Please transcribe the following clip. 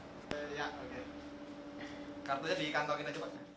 kartunya di kantong kita juga